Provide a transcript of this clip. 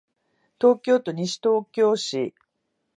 東京都西東京市